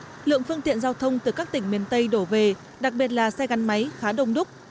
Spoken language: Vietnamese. tuy nhiên lượng phương tiện giao thông từ các tỉnh miền tây đổ về đặc biệt là xe gắn máy khá đông đúc